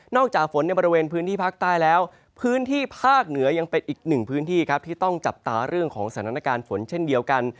จากฝนในบริเวณพื้นที่ภาคใต้แล้วพื้นที่ภาคเหนือยังเป็นอีกหนึ่งพื้นที่ครับที่ต้องจับตาเรื่องของสถานการณ์ฝนเช่นเดียวกัน